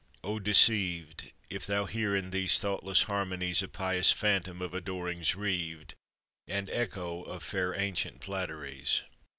O deceived, If thou hear in these thoughtless harmonies A pious phantom of adorings reaved, And echo of fair ancient flatteries!